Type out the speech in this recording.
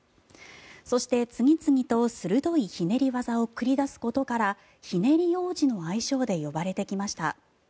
そして、次々と鋭いひねり技を繰り出すことからひねり王子の愛称で呼ばれてきました。